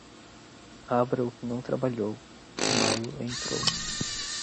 Abra o que não trabalhou, que maio entrou.